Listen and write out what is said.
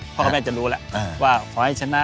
พ่อแม่จะรู้แล้วว่าขอให้ชนะ